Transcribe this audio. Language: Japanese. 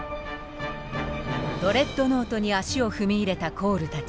ドレッドノートに足を踏み入れたコールたち。